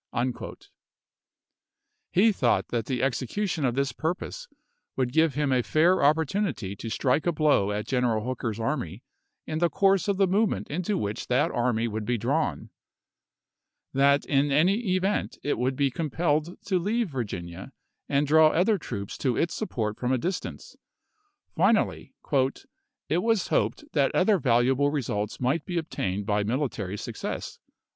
He thought that the execution of this purpose would give him a fair op portunity to strike a blow at General Hooker's army in the course of the movement into which that army would be drawn ; that in any event it would be compelled to leave Virginia and draw other troops to its support from a distance ; finally " it was hoped that other valuable results might be obtained by military success."